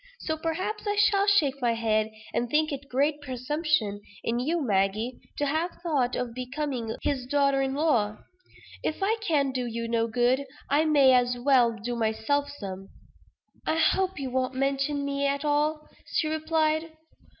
So, perhaps, I shall shake my head, and think it great presumption in you, Maggie, to have thought of becoming his daughter in law. If I can do you no good, I may as well do myself some." "I hope you won't mention me at all," she replied.